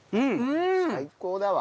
最高だわ。